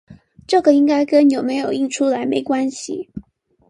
這個應該跟有沒有印出來沒關係